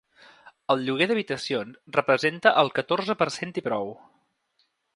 El lloguer d’habitacions representa el catorze per cent i prou.